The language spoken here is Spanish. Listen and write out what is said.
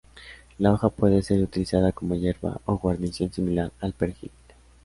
La hoja puede ser utilizada como hierba o guarnición similar al perejil.